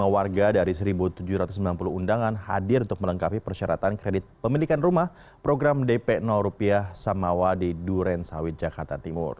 lima warga dari satu tujuh ratus sembilan puluh undangan hadir untuk melengkapi persyaratan kredit pemilikan rumah program dp rupiah samawa di duren sawit jakarta timur